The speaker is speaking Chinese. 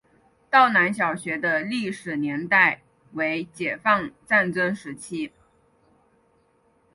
道南小学的历史年代为解放战争时期。